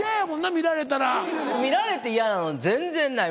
見られて嫌なの全然ない。